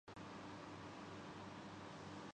ننگے پاؤں مت چلو